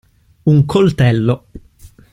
Un coltello.